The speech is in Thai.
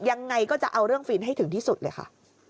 ยังไงก็จะเอาเรื่องฟินให้ถึงที่สุดเลยค่ะ